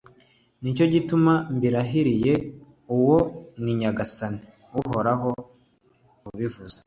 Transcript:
Ni cyo gituma mbirahiriye uwo ni Nyagasani Uhoraho ubivuze